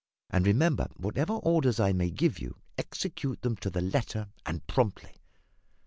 And, remember, whatever orders I may give you, execute them to the letter, and promptly.